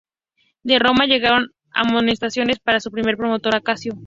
De Roma llegaron amonestaciones para su primer promotor, Acacio.